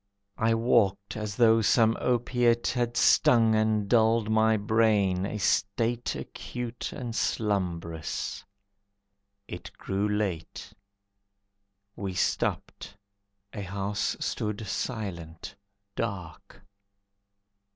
I walked as though some opiate Had stung and dulled my brain, a state Acute and slumbrous. It grew late. We stopped, a house stood silent, dark.